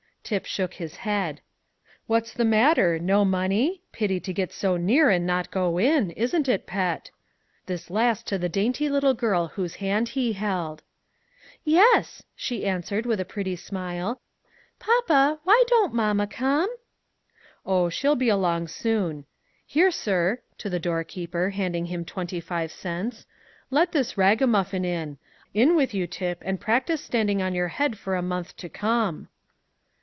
Tip shook his head. "What's the matter? no money? Pity to get so near and not go in; isn't it, pet?" This last to the dainty little girl whose hand he held. "Yes," she answered, with a happy smile. "Papa, why don't mamma come?" "Oh, she'll be along soon. Here, sir," to the doorkeeper, handing him twenty five cents, "let this ragamuffin in. In with you, Tip, and practise standing on your head for a month to come."